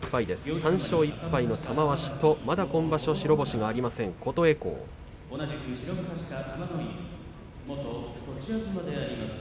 ３勝１敗の玉鷲とまだ今場所、白星がありません